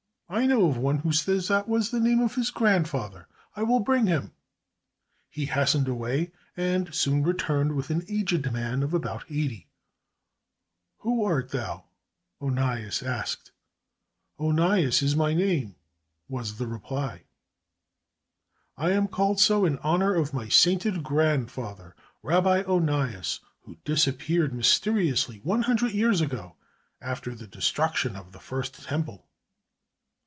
"I know of one who says that was the name of his grandfather. I will bring him." He hastened away and soon returned with an aged man of about eighty. "Who art thou?" Onias asked. "Onias is my name," was the reply. "I am called so in honor of my sainted grandfather, Rabbi Onias, who disappeared mysteriously one hundred years ago, after the destruction of the First Temple."